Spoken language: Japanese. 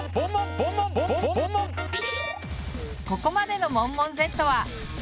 ここまでのモンモンＺは。